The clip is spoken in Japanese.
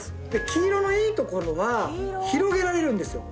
「黄色のいい所は広げられるんですよ。